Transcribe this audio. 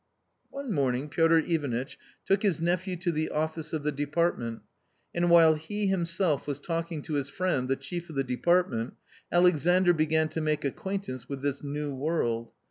One morning Piotr Ivanitch took his nephew to the office of the department, and while he himself was talking to his friend the chief of the department, Alexandr began to make acquaintance with this new world.